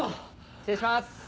失礼します。